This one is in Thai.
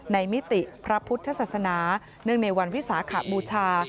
มิติพระพุทธศาสนาเนื่องในวันวิสาขบูชา